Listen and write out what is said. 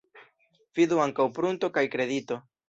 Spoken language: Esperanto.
Vidu ankaŭ prunto kaj kredito.